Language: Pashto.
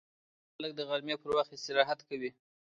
خلک د غرمې پر وخت استراحت کوي